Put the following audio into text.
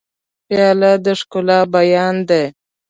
پیاله د ښکلا بیان دی.